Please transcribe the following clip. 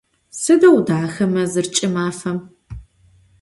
Sıdeu daxa mezır ç'ımafem!